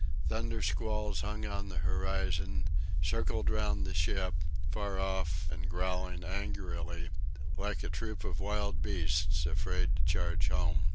Thunder squalls hung on the horizon, circled round the ship, far off and growling angrily, like a troop of wild beasts afraid to charge home.